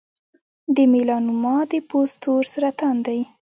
د میلانوما د پوست تور سرطان دی.